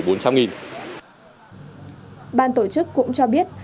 ban tổ chức cũng cho biết